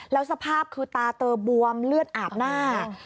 แล้วสภาพคือตาเตอบวมเลือดอาบหน้า